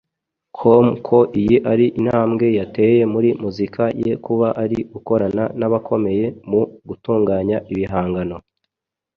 com ko iyi ari intambwe yateye muri muzika ye kuba ari gukorana n’abakomeye mu gutunganya ibihangano